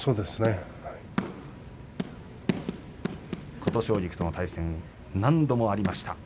琴奨菊との対戦何度もありました。